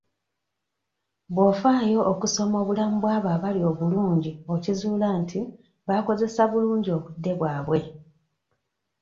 Bw'ofaayo okusoma obulamu bw'abo abali obulungi okizuula nti baakozesa bulungi obudde bwabwe.